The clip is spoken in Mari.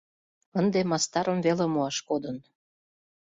— Ынде мастарым веле муаш кодын.